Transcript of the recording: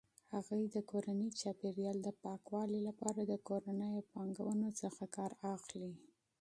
هغې د کورني چاپیریال د پاکوالي لپاره د کورنیو پاکونکو څخه کار اخلي.